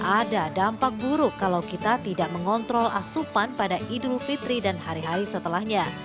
ada dampak buruk kalau kita tidak mengontrol asupan pada idul fitri dan hari hari setelahnya